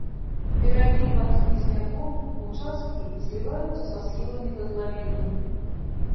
Берагі пад хмызняком, участкі зліваюцца са схіламі катлавіны.